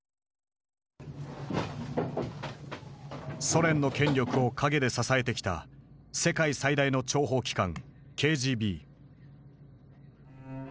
ソ連の権力を陰で支えてきた世界最大の諜報機関ＫＧＢ。